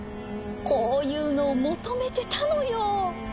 こういうのを求めてたのよ